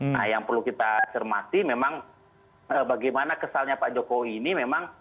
nah yang perlu kita cermati memang bagaimana kesalnya pak jokowi ini memang